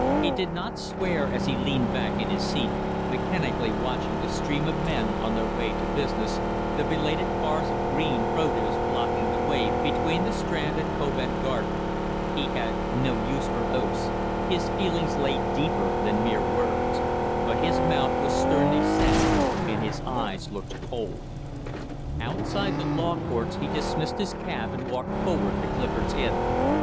He did not swear as he leaned back in his seat, mechanically watching the stream of men on their way to business, the belated cars of green produce blocking the way between the Strand and Covent Garden. He had no use for oaths; his feelings lay deeper than mere words. But his mouth was sternly set and his eyes looked cold. Outside the Law Courts he dismissed his cab and walked forward to Clifford's Inn.